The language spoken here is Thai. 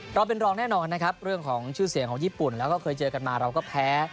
เราเป็นรองแน่นอนนะครับเรื่องของชื่อเสียงของญี่ปุ่นแล้วก็เคยเจอกันมาเราก็แพ้